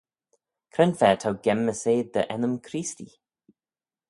Cre'n fa t'ou genmys eh dty ennym Creestee?